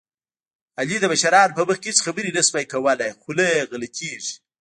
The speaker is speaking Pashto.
علي د مشرانو په مخ کې هېڅ خبرې نه شي کولی، خوله یې غلطېږي.